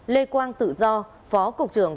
lê quang tự do phó cục trưởng